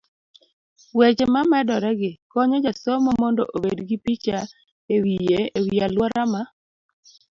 weche mamedoregi konyo jasomo mondo obed gi picha e wiye e wi aluora ma